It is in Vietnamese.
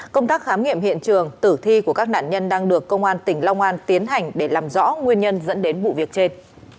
công tác khám nghiệm hiện trường tử thi của các nạn nhân đang được công an tỉnh long an tiến hành để làm rõ nguyên nhân dẫn đến vụ việc trên